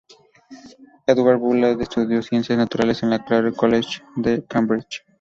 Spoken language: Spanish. Edward Bullard estudió Ciencias Naturales en el Clare College de Cambridge.